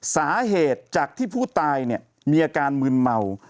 สาเหตุจากที่ผู้ตายเนี่ยมีอาการมืนเมา